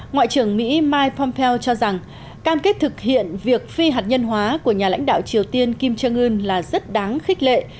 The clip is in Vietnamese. ngoại trưởng mỹ mike pompeo cho rằng cam kết thực hiện việc phi hạt nhân hóa của nhà lãnh đạo triều tiên kim jong un là rất đáng khích lệ